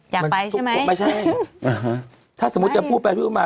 อยากไปใช่ไหมไม่ใช่ถ้าสมมุติจะพูดไปมา